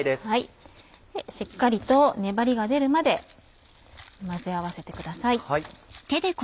しっかりと粘りが出るまで混ぜ合わせてください。